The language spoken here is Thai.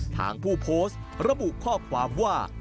ทางผู้โพสต์ระบุข้อความว่า